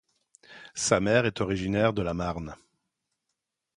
Sa mère est originaire de la Marne.